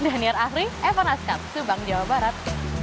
danir ahri eva nazqat subang jawa barat